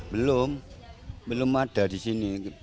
belum belum ada di sini